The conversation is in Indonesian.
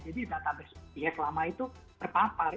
jadi data e hack lama itu terpapar